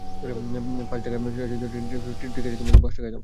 পাঁচ টাকা আছে শুনে বললেন, ঠিক আছে তুমি তাহলে পাঁচ টাকাই দাও।